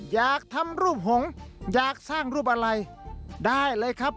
อยากทำรูปหงษ์อยากสร้างรูปอะไรได้เลยครับ